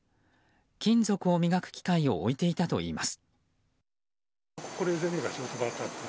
金属を磨く機械を置いていたといいます。